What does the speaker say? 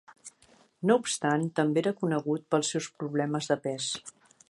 No obstant, també era conegut pels seus problemes de pes.